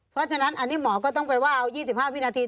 เพราะฉะนั้นอันนี้หมอก็ต้องไปว่าเอา๒๕วินาที